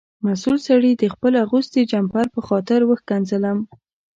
مسؤل سړي د خپل اغوستي جمپر په خاطر وښکنځلم.